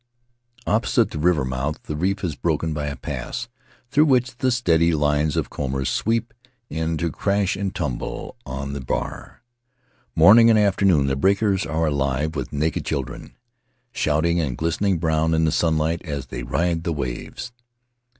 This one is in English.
Opposite the river mouth the reef is broken by a pass, through which the steady lines of combers sweep in to crash and tumble on the In the Valley of Vaitia bar. Morning and afternoon the breakers are alive with naked children, shouting and glistening brown in the sunlight as they ride the waves.